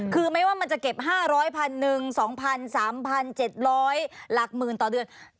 คือไม่ว่ามันจะเก็บ๕๐๐๐๐๐๑๐๐๐๒๐๐๐๓๐๐๐๗๐๐หลักหมื่นต่อเดือน